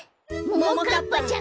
ももかっぱちゃん。